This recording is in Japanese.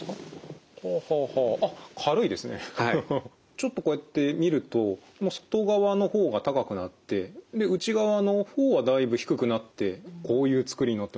ちょっとこうやって見るとこの外側の方が高くなって内側の方はだいぶ低くなってこういう作りになってますけど。